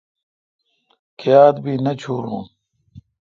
کیا تہ۔ بھی نہ چھورون۔